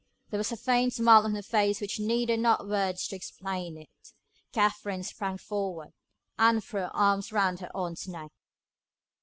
There was a faint smile on her face which needed not words to explain it. Katherine sprang forward, and threw her arms round her aunt's neck.